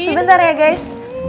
sebentar ya guys